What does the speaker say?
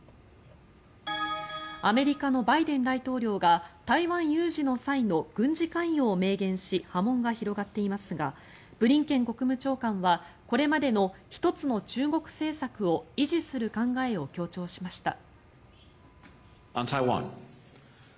アメリカのバイデン大統領が台湾有事の際の軍事関与を明言し波紋が広がっていますがブリンケン国務長官はこれまでの一つの中国政策を維持する考えを強調しました。